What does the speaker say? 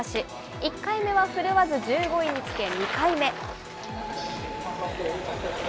１回目は振るわず１５位につけ、２回目。